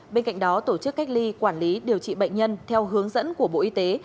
bên cạnh đó tổ chức cách ly quản lý điều trị bệnh nhân theo hướng dẫn của bộ y tế